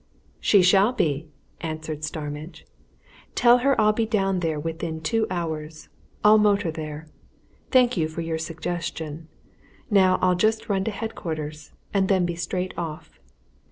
"She shall be!" answered Starmidge. "Tell her I'll be down there within two hours I'll motor there. Thank you for your suggestion. Now I'll just run to headquarters and then be straight off."